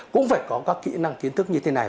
cũng phải có các kỹ năng kiến thức như thế này